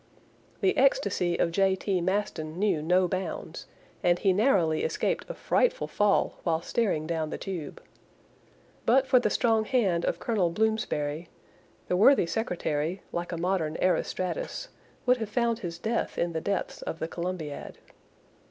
The ecstasy of J. T. Maston knew no bounds, and he narrowly escaped a frightful fall while staring down the tube. But for the strong hand of Colonel Blomsberry, the worthy secretary, like a modern Erostratus, would have found his death in the depths of the Columbiad.